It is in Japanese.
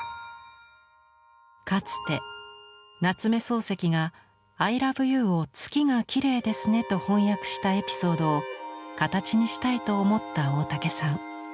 かつて夏目漱石が「アイラブユー」を「月がきれいですね」と翻訳したエピソードを形にしたいと思った大竹さん。